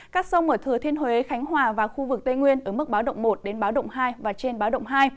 các sông ở thừa thiên huế khánh hòa và khu vực tây nguyên ở mức báo động một đến báo động hai và trên báo động hai